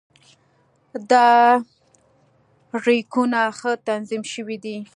دا ریکونه ښه تنظیم شوي دي.